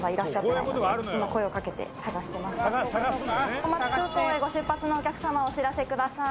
小松空港へご出発のお客様はお知らせください。